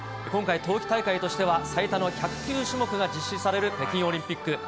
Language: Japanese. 今回、冬季大会としては最多の１０９種目が実施される北京オリンピック。